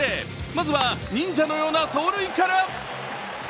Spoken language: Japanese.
まずは、忍者のような走塁から。